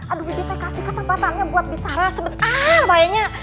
aduh bibi saya kasih kesempatannya buat bicara sebentar bayangnya